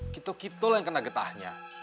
kita kita lah yang kena getahnya